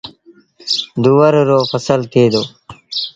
دوُور رو ڦسل ٿئي دو۔